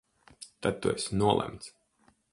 Tad tu esi nolemts!